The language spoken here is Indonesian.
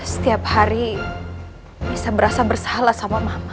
setiap hari bisa berasa bersalah sama mama